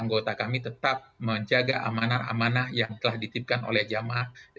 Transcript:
anggota kami tetap menjaga amanah amanah yang telah ditipkan oleh jamaah